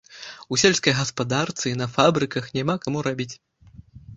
У сельскай гаспадарцы і на фабрыках няма каму рабіць.